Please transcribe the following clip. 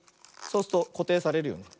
そうするとこていされるよね。